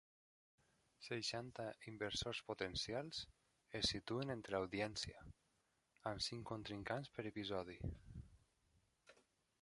Seixanta inversors potencials es situen entre l'audiència, amb cinc contrincants per episodi.